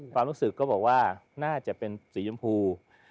ความรู้สึกก็บอกว่าน่าจะเป็นสีชมพู